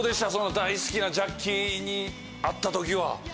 大好きなジャッキーに会った時は。